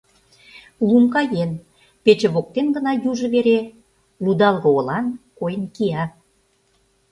Лум каен, пече воктен гына южо вере лудалге-олан койын кия.